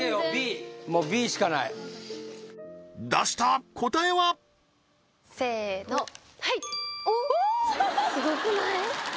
もうＢしかない出した答えは？せーのはいおっすごくない？